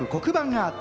アート。